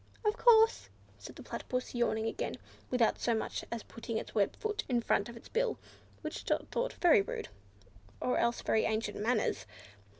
"Of course," said the Platypus, yawning again, without so much as putting its web foot in front of its bill, which Dot thought very rude, or else very ancient manners.